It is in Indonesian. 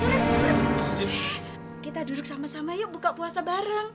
kita duduk sama sama yuk buka puasa bareng